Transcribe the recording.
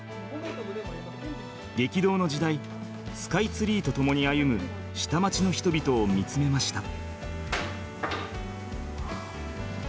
激動の時代スカイツリーとともに歩む下町の人々を見つめました。